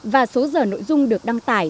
và số giờ nội dung được đăng tải